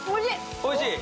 おいしい？